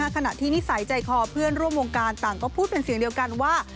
ขณะที่นิสัยใจคอเพื่อนร่วมวงการต่างก็พูดเป็นเสียงเดียวกันว่า